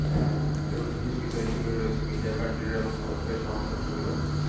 এতে বিশেষ ফিচার হিসেবে রয়েছে মিডিয়া কার্ড রিডার এবং ওয়াই-ফাই সমর্থন সুবিধা।